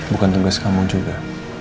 bukan tugas kamu juga